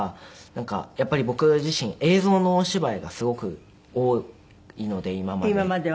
なんかやっぱり僕自身映像のお芝居がすごく多いので今まで。